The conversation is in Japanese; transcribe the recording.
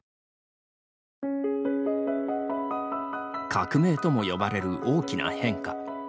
革命とも呼ばれる大きな変化。